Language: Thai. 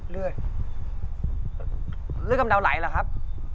เรื่องกำเดาไหลเหรอครับ